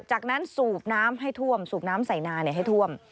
จากนั้นสูบน้ำให้ท่วมสูบน้ำใส่นาให้ท่วม